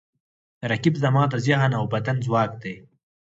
رقیب زما د ذهن او بدن ځواک دی